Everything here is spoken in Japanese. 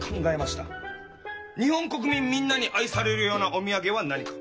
日本国民みんなに愛されるようなおみやげは何か？